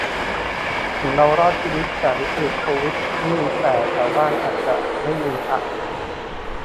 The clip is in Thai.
ถึงเรารอดชีวิตจากวิกฤติโควิดนี่แต่แถวบ้านอาจไม่มีอะ